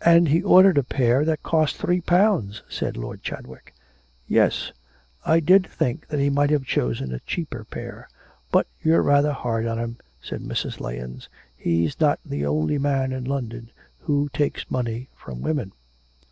'And he ordered a pair that cost three pounds,' said Lord Chadwick. 'Yes; I did think that he might have chosen a cheaper pair. But you're rather hard on him,' said Mrs. Lahens; 'he's not the only man in London who takes money from women.'